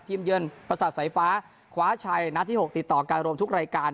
ที่เยื่อนประสาทไฟฟ้าคว้าชัยนัทที่๖ติดต่อการรมทุกรายการ